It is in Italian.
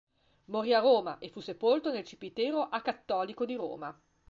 Morì a Roma e fu sepolto nel cimitero acattolico di Roma.